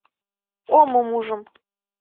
— Омым ужым.